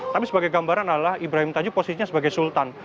tapi sebagai gambaran adalah ibrahim tajuh posisinya sebagai sultan